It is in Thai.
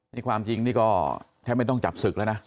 นี่ความจริงนี่ก็แทบไม่ต้องจับศึกแล้วนะ